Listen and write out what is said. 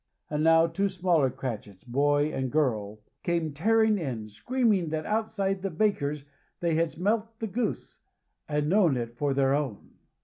And now two smaller Cratchits, boy and girl, came tearing in, screaming that outside the baker's they had smelt the goose, and known it for their own.